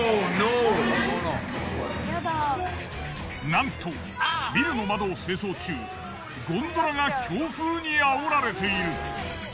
なんとビルの窓を清掃中ゴンドラが強風にあおられている。